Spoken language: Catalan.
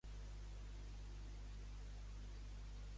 De què ha advertit a Esquerra Republicana?